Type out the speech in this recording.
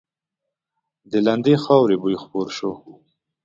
د لندې خاورې بوی خپور شوی و.